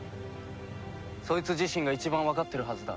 そいつ自身が一番わかってるはずだ。